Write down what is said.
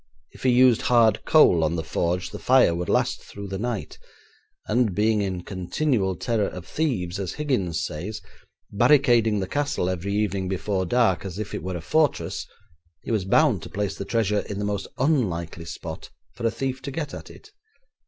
If he used hard coal on the forge the fire would last through the night, and being in continual terror of thieves, as Higgins says, barricading the castle every evening before dark as if it were a fortress, he was bound to place the treasure in the most unlikely spot for a thief to get at it.